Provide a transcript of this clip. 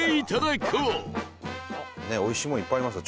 おいしいものいっぱいありますよ。